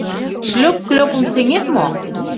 Шлёп-клёпым сеҥет мо?